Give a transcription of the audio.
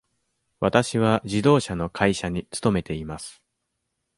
わたしは自動車の会社に勤めています。